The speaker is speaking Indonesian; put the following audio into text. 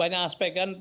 banyak aspek kan